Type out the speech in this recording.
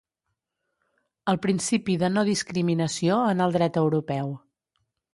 El principi de no-discriminació en el Dret europeu.